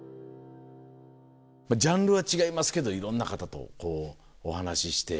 ジャンルは違いますけどいろんな方とお話しして。